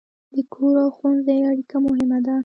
د کور او ښوونځي اړیکه مهمه ده.